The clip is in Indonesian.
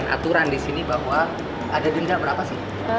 aturan disini bahwa ada dendam berapa sih